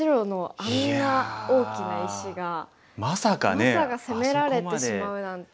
まさか攻められてしまうなんて。